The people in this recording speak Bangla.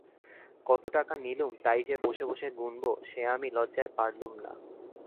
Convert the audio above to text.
কত টাকা নিলুম তাই যে বসে বসে গুনব, সে আমি লজ্জায় পারলুম না।